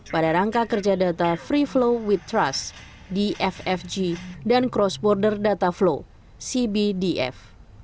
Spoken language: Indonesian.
pada rangka kerja data free flow weight trust dffg dan cross border data flow cbdf